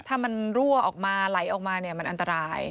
ถ้ามันรั่วออกมาไหลออกมาเนี่ยมันอันตราย